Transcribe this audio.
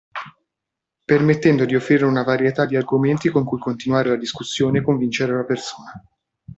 Permettendo di offrire una varietà di argomenti con cui continuare la discussione e convincere la persona.